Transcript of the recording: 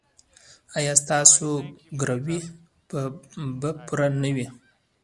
ایا ستاسو ګروي به پوره نه وي؟